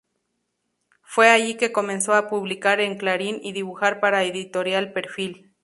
Fue allí que comenzó a publicar en Clarín y dibujar para Editorial Perfil.